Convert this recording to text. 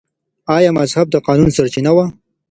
آیا مذهب د قانون سرچینه وه؟